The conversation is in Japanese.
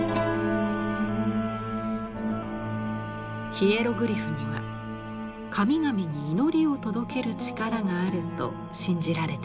ヒエログリフには神々に祈りを届ける力があると信じられていました。